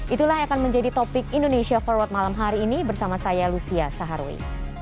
itulah yang akan menjadi topik indonesia forward malam hari ini bersama saya lucia saharwi